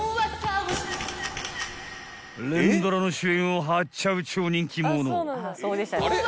［連ドラの主演を張っちゃう超人気者］